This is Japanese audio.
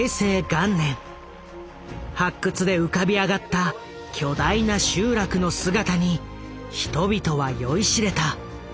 発掘で浮かび上がった巨大な集落の姿に人々は酔いしれた。